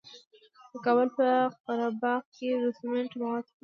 د کابل په قره باغ کې د سمنټو مواد شته.